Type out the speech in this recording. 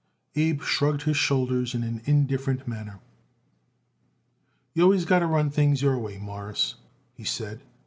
Abe shrugged his shoulders in an indifferent manner. "You always got to run things your way, Mawruss," he said.